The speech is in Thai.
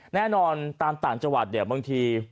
แน่นอนตามต่างจวาดบางที